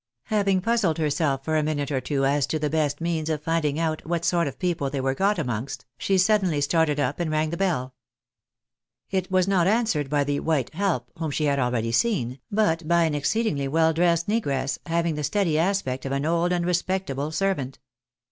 Having puzzled herself for a minute or two as to the best means of finding out A\diat sort of people they were got amongst, she suddenly started up and rang the bell. It was not answered by the white "help" whom she had already seen, but by an exceedingly well dressed ncgress, having the steady aspect of an old and respectable servant.